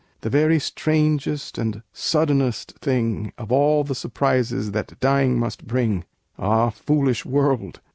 "The very strangest and suddenest thing Of all the surprises that dying must bring." Ah, foolish world!